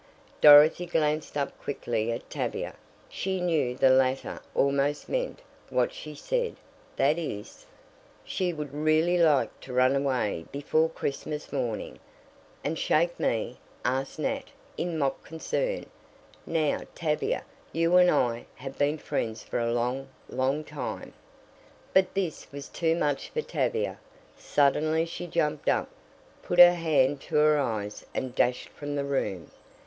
Dorothy glanced up quickly at Tavia. She knew the latter almost meant what she said that is, she would really like to run away before Christmas morning. "And shake me?" asked Nat in mock concern. "Now, Tavia, you and I have been friends for a long, long time " But this was too much for Tavia. Suddenly she jumped up, put her hand to her eyes and dashed from the room.